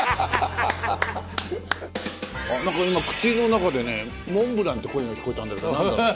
あっなんか今口の中でね「モンブラン」って声が聞こえたんだけどなんだろう？